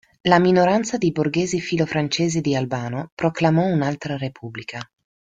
La minoranza di borghesi filo-francesi di Albano proclamò un'altra Repubblica.